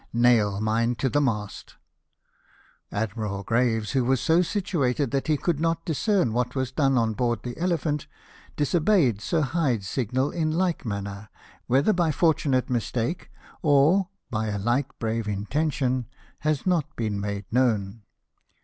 Nail mine to the mast !'' Admiral Graves, who was so' situated that he could not discern what was done on board the Elephant, disobeyed Sir Hyde's signal in like manner ; whether by fortunate mistake, or by a like brave intention, has not been made known.